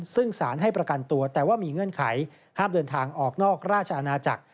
ซึ่งสารให้ประกันตัวแต่ว่ามีเงื่อนไขห้ามเดินทางออกนอกราชอาณาจักร